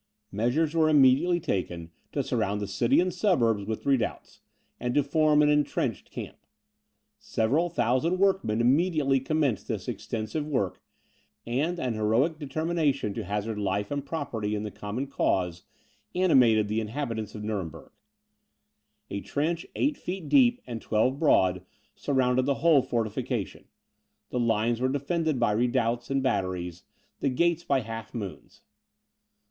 Measures were immediately taken to surround the city and suburbs with redoubts, and to form an entrenched camp. Several thousand workmen immediately commenced this extensive work, and an heroic determination to hazard life and property in the common cause, animated the inhabitants of Nuremberg. A trench, eight feet deep and twelve broad, surrounded the whole fortification; the lines were defended by redoubts and batteries, the gates by half moons.